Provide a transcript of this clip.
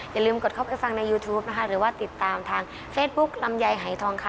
อย่าลืมกดเข้าไปฟังในยูทูปนะคะหรือว่าติดตามทางเฟซบุ๊คลำไยหายทองค่ะ